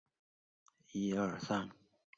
以上山采草药买卖为生。